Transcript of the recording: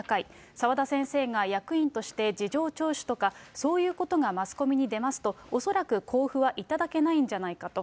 澤田先生が役員として事情聴取とか、そういうことがマスコミに出ますと、恐らく交付は頂けないんじゃないかと。